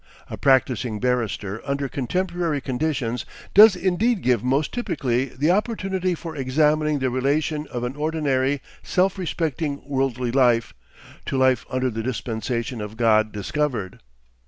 A practising barrister under contemporary conditions does indeed give most typically the opportunity for examining the relation of an ordinary self respecting worldly life, to life under the dispensation of God discovered.